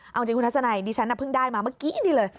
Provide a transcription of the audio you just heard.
เอาจริงคุณทัศนัยดิฉันเพิ่งได้มาเมื่อกี้นี่เลย